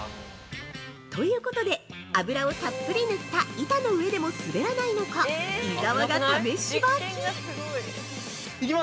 ということで油をたっぷり塗った板の上でも滑らないのか、伊沢が試し履き。